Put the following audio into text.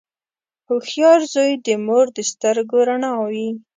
• هوښیار زوی د مور د سترګو رڼا وي.